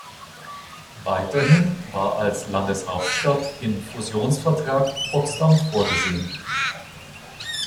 Weiterhin war als Landeshauptstadt im Fusionsvertrag Potsdam vorgesehen.